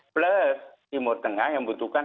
plus timur tengah yang membutuhkan